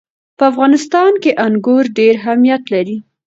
په افغانستان کې انګور ډېر اهمیت لري.